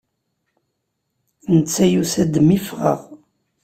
Netta yusa-d mi ffɣeɣ.